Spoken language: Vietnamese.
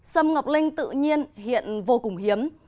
xâm ngọc linh tự nhiên hiện vô cùng hiếm